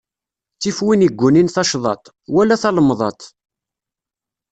Ttif win iggunin tacḍaḍt, wala talemḍaḍt.